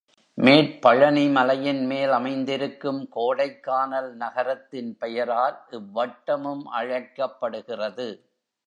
மேற்பழனிமலையின் மேல் அமைந்திருக்கும் கோடைக்கானல் நகரத்தின் பெயரால் இவ்வட்டமும் அழைக்கப்படுகிறது.